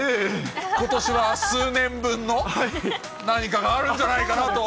ことしは数年分の何かがあるんじゃないかなと。